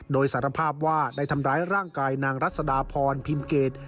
โดยสารภาพว่าได้ทำร้ายร่างกายนางรัศดาพรพิมเกต